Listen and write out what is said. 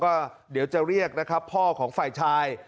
ก็เดี๋ยวจะเรียกนะครับพ่อของฝ่ายชาย